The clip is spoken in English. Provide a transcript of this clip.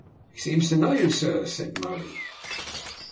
"He seems to know you, sir," said Murray.